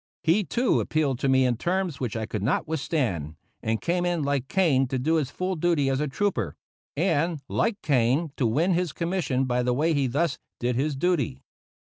He, too, appealed to me in terms which I could not withstand, and came in like Kane to do his full duty as a trooper, and like Kane to win his commission by the way he thus did his duty.